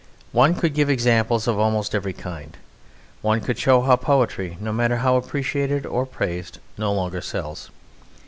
One could give examples of almost every kind: one could show how poetry, no matter how appreciated or praised, no longer sells.